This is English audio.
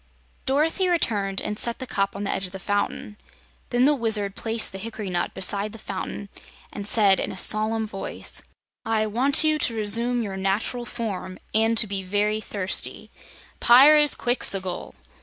Dorothy returned and set the cup on the edge of the fountain. Then the Wizard placed the hickory nut beside the fountain and said in a solemn voice: "I want you to resume your natural form, and to be very thirsty Pyrzqxgl!"